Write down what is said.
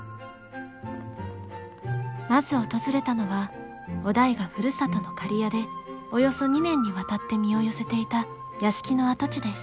まず訪れたのは於大がふるさとの刈谷でおよそ２年にわたって身を寄せていた屋敷の跡地です。